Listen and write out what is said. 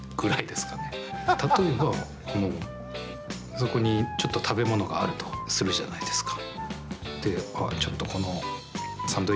そこにちょっと食べ物があるとするじゃないですか。